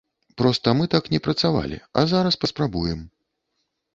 Проста мы так не працавалі, а зараз паспрабуем.